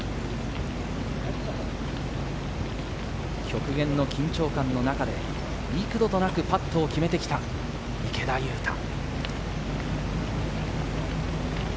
極限の緊張感の中で幾度となくパットを決めてきた池田勇太。